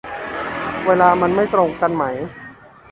เวลามันก็ไม่ตรงกันไหม